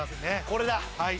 これだ！